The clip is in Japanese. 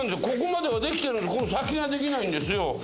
ここまではできてるのこの先ができないんですよ